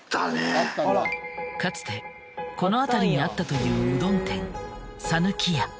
かつてこの辺りにあったといううどん店さぬきや。